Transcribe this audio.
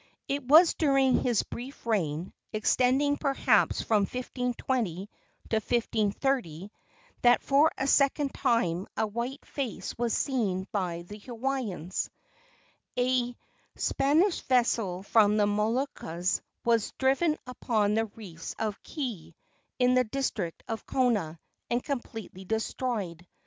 It was during his brief reign extending, perhaps, from 1520 to 1530 that for a second time a white face was seen by the Hawaiians. A Spanish vessel from the Moluccas was driven upon the reefs of Keei, in the district of Kona, and completely destroyed.